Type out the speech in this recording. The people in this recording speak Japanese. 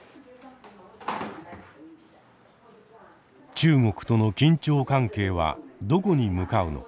中国との緊張関係はどこに向かうのか。